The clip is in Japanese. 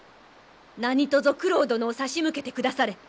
何とぞ九郎殿を差し向けてくだされ！